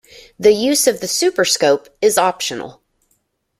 The use of the Super Scope is optional.